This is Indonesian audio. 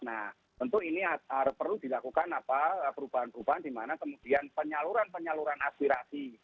nah tentu ini perlu dilakukan perubahan perubahan di mana kemudian penyaluran penyaluran aspirasi